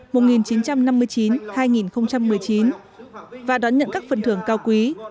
và đón nhận các phần thưởng cao quý